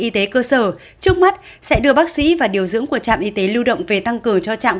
y tế cơ sở trước mắt sẽ đưa bác sĩ và điều dưỡng của trạm y tế lưu động về tăng cường cho trạm